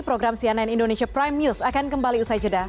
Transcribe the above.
program cnn indonesia prime news akan kembali usai jeda